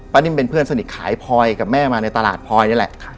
นิ่มเป็นเพื่อนสนิทขายพลอยกับแม่มาในตลาดพลอยนี่แหละ